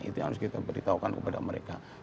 itu yang harus kita beritahukan kepada mereka